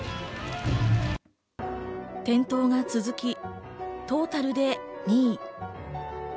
転倒が続き、トータルで２位。